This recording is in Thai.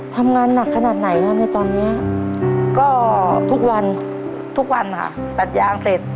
ทำงานหนักขนาดไหนคะในตอนนี้ก็ทุกวันทุกวันค่ะตัดยางเสร็จ